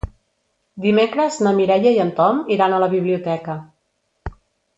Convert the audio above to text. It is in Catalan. Dimecres na Mireia i en Tom iran a la biblioteca.